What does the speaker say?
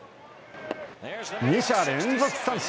２者連続三振。